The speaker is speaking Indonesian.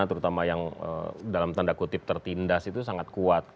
terutama yang dalam tanda kutip tertindas itu sangat kuat